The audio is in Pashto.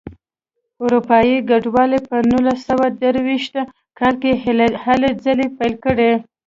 اروپایي کډوالو په نولس سوه درویشت کال کې هلې ځلې پیل کړې.